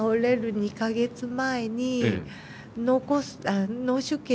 ２か月前。